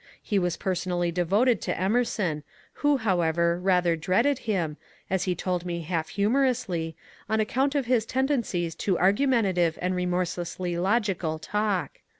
He was personally devoted to Emerson, who, however, rather dreaded him, as he told me half humour ously, on account of his tendencies to argumentative and remorselessly logical talk.